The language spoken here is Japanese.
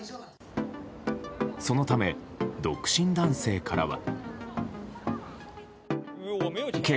そのため、独身男性からは。